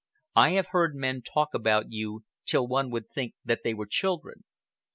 I have heard men talk about you till one would think that they were children.